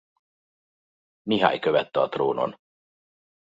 Mihály követte a trónon.